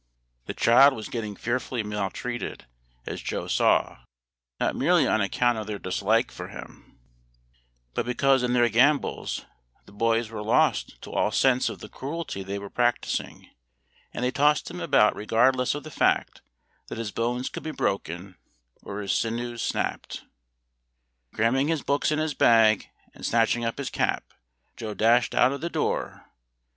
The child was getting fearfully maltreated, as Joe saw, not merely on account of their dislike for him, but because in their gambols the boys were lost to all sense of the cruelty they were practicing, and they tossed him about regardless of the fact that his bones could be broken or his sinews snapped. Cramming his books in his bag, and snatching up his cap, Joe dashed out of the door.